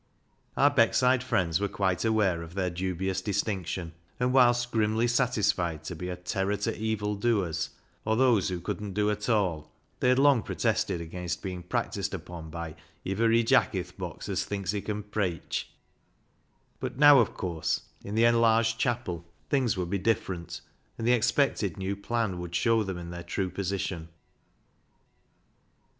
Our Beckside friends w^ere quite aware of their dubious distinction, and whilst grimly satisfied to be " a terror to evil doers," or those who couldn't do at all, they had long protested against being practised upon by"ivvery Jack i' th' box as thinks he can preich." But now, of THE STUDENT 15 course, in the enlarged chapel, things would be different, and the expected new plan would show them in their true position.